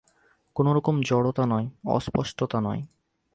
কোনো রকম জড়তা নয়, অস্পষ্টতা নয়।